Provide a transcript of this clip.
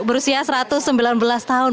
berusia satu ratus sembilan belas tahun